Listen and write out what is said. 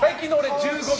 １５秒。